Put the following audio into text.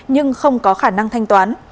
nhưng không có khả năng thanh toán